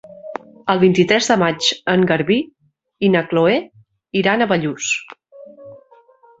El vint-i-tres de maig en Garbí i na Chloé iran a Bellús.